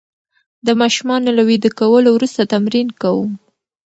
د ماشومانو له ویده کولو وروسته تمرین کوم.